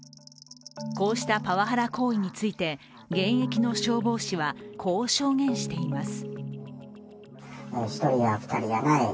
こうしたパワハラ行為について現役の消防士はこう証言しています。